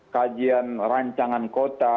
kajian rancangan kota